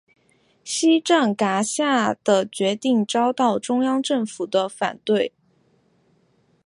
西藏噶厦的决定遭到中央政府的反对。